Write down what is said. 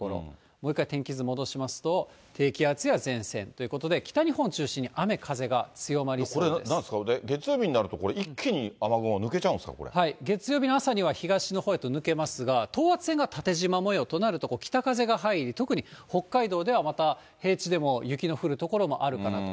もう一回、天気図戻しますと、低気圧や前線ということで、北日本を中心に、これ、なんですか、月曜日になると、これ、月曜日の朝には東のほうへと抜けますが、等圧線が縦じま模様となると、北風が入り、特に北海道ではまた平地でも雪の降る所もあるかなと。